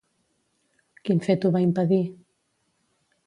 Quin fet ho va impedir?